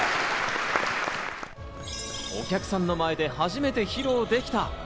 お客さんの前で初めて披露できた。